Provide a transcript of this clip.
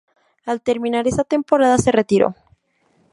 Al terminar esa temporada se retiró.